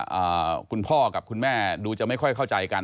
อ่าคุณพ่อกับคุณแม่ดูจะไม่ค่อยเข้าใจกัน